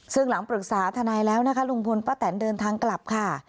ซึ่งหลังปรึกษาทนายแล้วนะคะลุงพลป้าแตนเดินทางกลับค่ะ